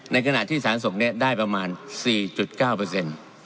ในขณะที่สารส่งเนี่ยได้ประมาณ๔๙เปอร์เซ็นต์